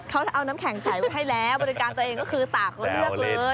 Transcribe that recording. เขาเอาน้ำแข็งใส่ไว้ให้แล้วบริการตัวเองก็คือตากแล้วเลือกเลย